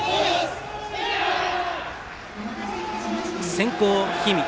先攻、氷見。